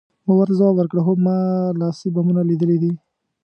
ما ورته ځواب ورکړ، هو، ما لاسي بمونه لیدلي دي.